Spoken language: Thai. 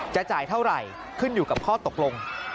จ่ายเท่าไหร่ขึ้นอยู่กับข้อตกลง